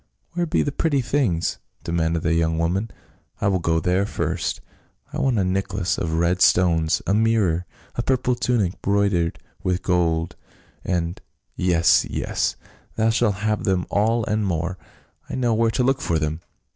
"Where be the pretty things?" demanded the young woman, " I will go there first. I want a neck lace of red stones — a mirror — a purple tunic broidered with gold, and —"" Yes, yes ! Thou shalt hav^e them all and more ; I know where to look for them.